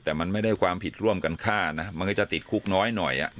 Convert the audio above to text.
แต่มันไม่ได้ความผิดร่วมกันฆ่านะมันก็จะติดคุกน้อยหน่อย